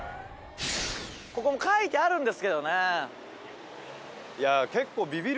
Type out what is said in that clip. ここも書いてあるんですけどね。